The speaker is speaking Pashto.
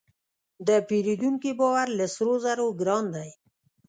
د پیرودونکي باور له سرو زرو ګران دی.